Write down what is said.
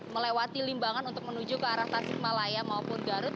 melewati limbangan untuk menuju ke arah tasik malaya maupun garut